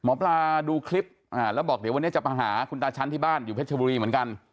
หมอปลาดูคลิปแล้วบอกเดี๋ยววันนี้จะมาหาคุณตาชั้นที่บ้านอยู่เพชรบุรีเหมือนกัน